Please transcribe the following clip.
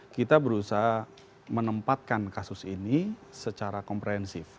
kita berusaha menempatkan kasus ini secara komprehensif